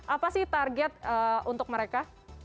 apa sih target untuk mereka